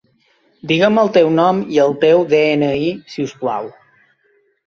Diguem el teu nom i el teu de-ena-i, si us plau.